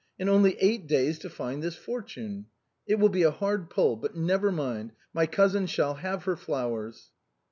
and only eight days to find this fortune ! It will be a hard pull, but never mind, my cousin shall have her flowers."